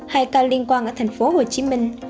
hai ca liên quan ở thành phố hồ chí minh